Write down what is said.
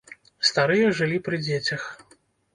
Старыя жылі пры дзецях.